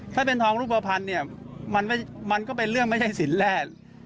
ถ้าเป็นทองรูปภัณฑ์เนี่ยมันก็เป็นเรื่องไม่ใช่สินแร่